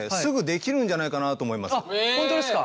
本当ですか。